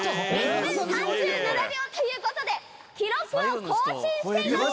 １分３７秒ということで記録を更新しています。